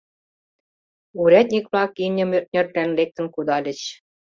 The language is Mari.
Урядник-влак имньым ӧртньӧрлен лектын кудальыч.